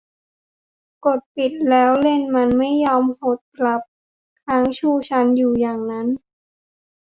กดปิดแล้วเลนส์มันไม่ยอมหดกลับ ค้างชูชันอยู่อย่างนั้น